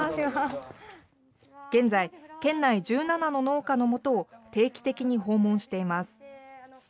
現在、県内１７の農家のもとを定期的に訪問しています。